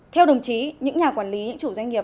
theo đồng chí những nhà quản lý những chủ doanh nghiệp